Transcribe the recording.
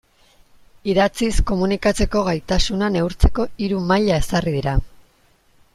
Idatziz komunikatzeko gaitasuna neurtzeko hiru maila ezarri dira.